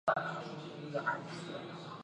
诺伊莱温是德国勃兰登堡州的一个市镇。